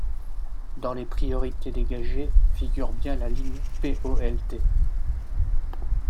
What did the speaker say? Dans les priorités dégagées figure bien la ligne POLT.